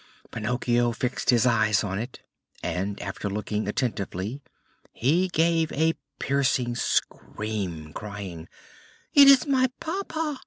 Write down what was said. Pinocchio fixed his eyes on it and after looking attentively he gave a piercing scream, crying: "It is my papa!